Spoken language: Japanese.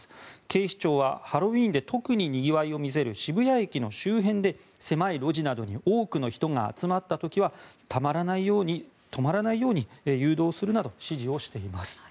警視庁はハロウィーンで特ににぎわいを見せる渋谷駅の周辺で狭い路地などに多くの人が集まった時はたまらないように止まらないように誘導するなど指示をしています。